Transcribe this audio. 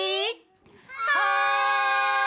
はい！